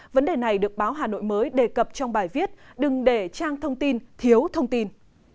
vấn đề này được báo hà nội mới đề cập trong bài viết đừng để trang thông tin thiếu thông tin